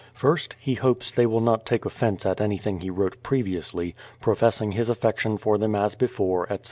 First, he hopes they will not take offence at anything he wrote previously, professing his affection for them as before, etc.